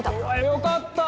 よかった！